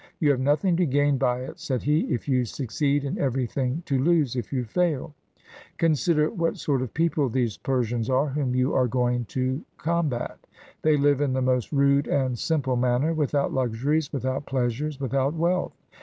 "You have nothing to gain by it," said he, "if you succeed, and everything to lose if you fail. Con sider what sort of people these Persians are whom you are going to combat. They live in the most rude and simple manner, without luxuries, without pleasures, without wealth.